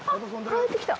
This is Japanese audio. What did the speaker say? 帰ってきた。